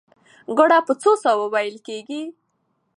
ګړه په څو ساه وو وېل کېږي؟